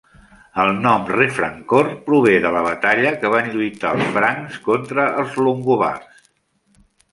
El nom Refrancore prové de la batalla que van lluitar els francs contra els longobards.